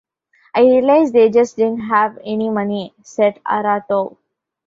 "I realised they just didn't have any money," said Aratow.